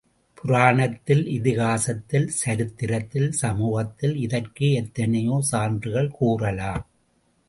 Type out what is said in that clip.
புராணத்தில், இதிகாசத்தில், சரித்திரத்தில், சமூகத்தில் இதற்கு எத்தனையோ சான்றுகள் கூறலாம்.